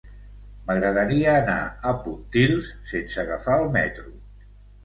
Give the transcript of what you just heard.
M'agradaria anar a Pontils sense agafar el metro.